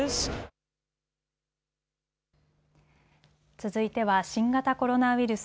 続いては新型コロナウイルス。